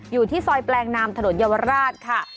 อยู่ที่ซอยแปลงนามถนนเยาวราชค่ะ